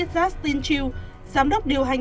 justin chiu giám đốc điều hành